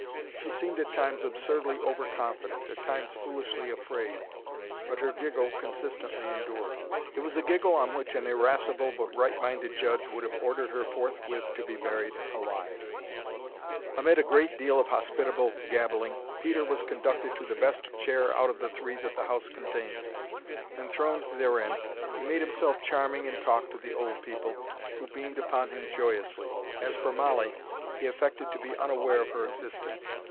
She seemed at times absurdly over confident, at times foolishly afraid; but her giggle consistently endured. It was a giggle on which an irascible but right minded judge would have ordered her forthwith to be buried alive. [Illustration: "MOLLIE LURKED IN A CORNER AND GIGGLED"] Amid a great deal of hospitable gabbling, Peter was conducted to the best chair out of the three that the house contained. Enthroned therein, he made himself charming in talk to the old people, who beamed upon him joyously. As for Mollie, he affected to be unaware of her existence.